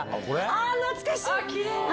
懐かしい！